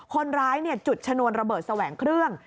คนร้ายจุดชนวนระเบิดแสวงเครื่อง